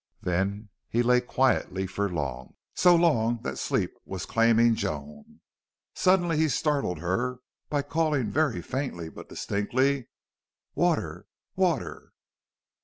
Then he lay quietly for long so long that sleep was claiming Joan. Suddenly he startled her by calling very faintly but distinctly: "Water! Water!"